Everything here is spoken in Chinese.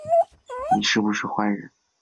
你是不是坏人